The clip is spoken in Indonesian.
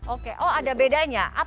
oke oh ada bedanya